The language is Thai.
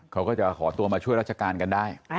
เขาก็จะขอตัวมาช่วยราชการกันได้